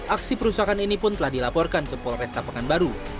aksi perusakan ini pun telah dilaporkan ke polresta pekanbaru